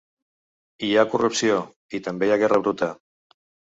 Hi ha corrupció i també hi ha guerra bruta.